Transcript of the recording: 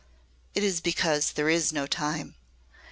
"It is because there is no time.